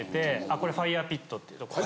これファイヤーピットっていうとこで。